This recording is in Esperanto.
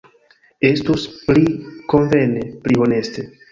Estus pli konvene, pli honeste.